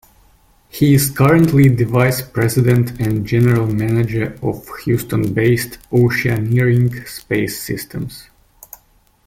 He is currently the Vice President and General Manager of Houston-based Oceaneering Space Systems.